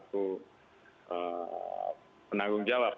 terima kasih pak